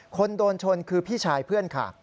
คนโดนชนคือพี่ชายเพื่อนค่ะ